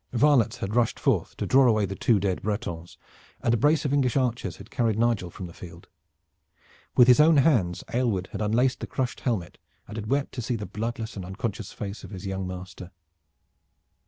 Varlets had rushed forth to draw away the two dead Bretons, and a brace of English archers had carried Nigel from the field. With his own hands Aylward had unlaced the crushed helmet and had wept to see the bloodless and unconscious face of his young master.